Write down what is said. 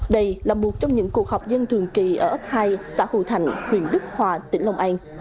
đây là một trong những cuộc họp dân thường kỳ ở ấp hai xã hù thành huyện đức hòa tỉnh long an